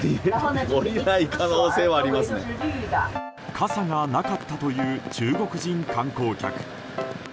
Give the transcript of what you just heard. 傘がなかったという中国人観光客。